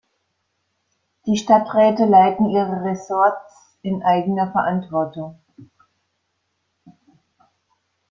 Die Stadträte leiten ihre Ressorts in eigener Verantwortung.